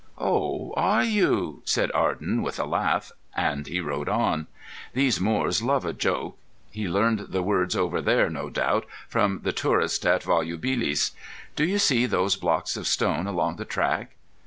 "Oh! are you?" said Arden, with a laugh; and he rode on. "These Moors love a joke. He learned the words over there, no doubt, from the tourists at Volubilis. Do you see those blocks of stone along the track?"